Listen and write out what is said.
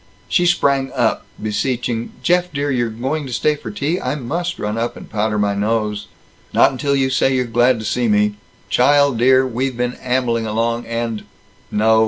She sprang up, beseeching, "Jeff dear, you're going to stay for tea? I must run up and powder my nose." "Not until you say you're glad to see me. Child dear, we've been ambling along and No.